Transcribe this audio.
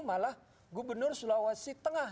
malah gubernur sulawesi tengah